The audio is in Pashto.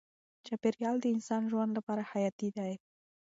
چاپیریال د انسان ژوند لپاره حیاتي دی.